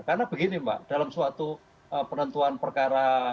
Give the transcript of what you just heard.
karena begini mbak dalam suatu penentuan perkara terutama pasal